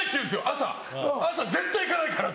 朝「絶対行かないから」